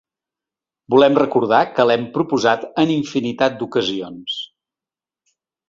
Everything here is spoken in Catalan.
Volem recordar que l’hem proposat en infinitat d’ocasions.